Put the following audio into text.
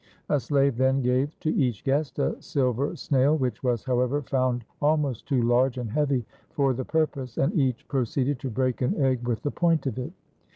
A slave then gave to each guest a silver snail, which was, however, found al most too large and heavy for the purpose, and each pro ceeded to break an egg with the point of it.